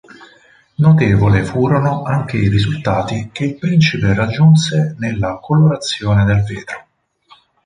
Notevole furono anche i risultati che il Principe raggiunse nella colorazione del vetro.